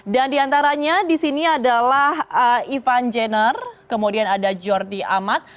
dan diantaranya disini adalah ivan jenner kemudian ada jordi amat